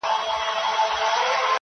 هغه لږ خبري کوي تل,